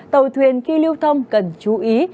tàu thuyền khi lưu thông cần chú ý